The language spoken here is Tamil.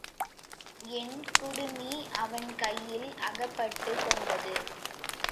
என் குடுமி அவன் கையில் அகப்பட்டுக் கொண்டது.